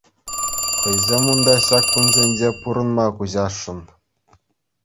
Хӑйсем унта ҫак кунсенче пурӑнма куҫасшӑн.